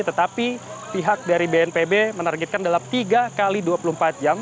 tetapi pihak dari bnpb menargetkan dalam tiga x dua puluh empat jam